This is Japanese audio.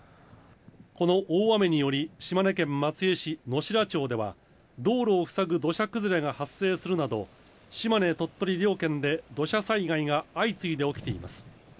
この大雨により、島根県松江市乃白町では、道路を塞ぐ土砂崩れが発生するなど、島根、鳥取両県で土砂災害が相次いで起きています。